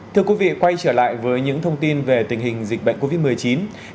thưa quý vị quay trở lại với những thông tin về tình hình dịch bệnh covid một mươi chín